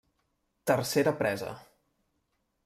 Tercera presa.